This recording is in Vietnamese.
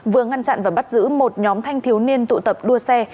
vừa ngăn chặn và bắt giữ một nhóm thanh thiếu niên tụ tập đua xe